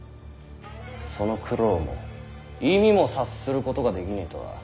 その苦労も意味も察することができねぇとは！